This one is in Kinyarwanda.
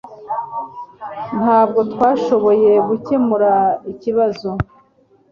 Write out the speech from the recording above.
Ntabwo twashoboye gukemura ikibazo